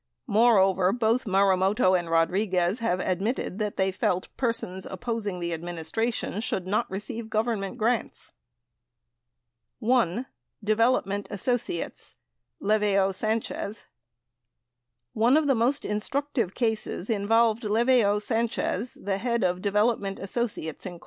Moreover, both Marumoto and Rodriguez have admitted that they felt persons opposing the administration should not receive Government grants. ( 1 ) Development Associates {Leveo Sanchez) One of the most instructive cases involved Leveo Sanchez, the head of Development Associates, Inc.